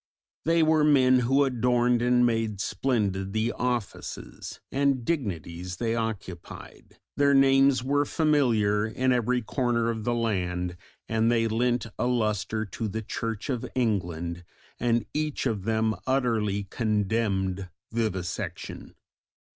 They were men who adorned and made splendid the offices and dignities they occupied, their names were familiar in every corner of the land, they lent a lustre to the Church of England, and each of them utterly condemned vivisection.